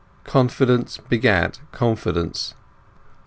Confidence begat confidence.